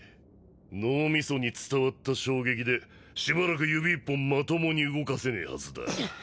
脳みそに伝わった衝撃でしばらく指一本まともに動かせねえはずだ。